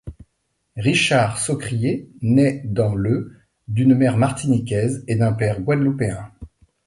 Richard Socrier naît dans le d'une mère martiniquaise et d'un père guadeloupéen.